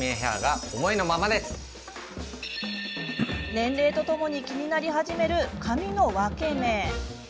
年齢とともに気になり始める髪の分け目。